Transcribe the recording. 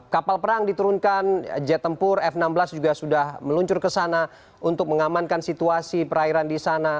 kapal perang diturunkan jet tempur f enam belas juga sudah meluncur ke sana untuk mengamankan situasi perairan di sana